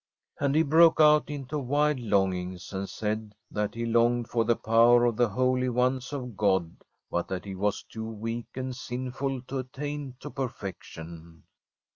And he broke out into wild longings, and said that he longed for the power of the holy ones of ASTRID God^ but that he was too weak and sinful to attain to perfection.